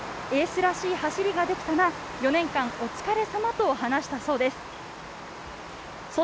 エースらしい走りができたな、４年間お疲れ様と話したそうです。